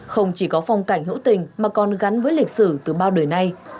không chỉ có phong cảnh hữu tình mà còn gắn với lịch sử từ bao đời nay